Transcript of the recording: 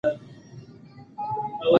څېړونکي وايي پروسس شوې غوښه زیاته مه خورئ.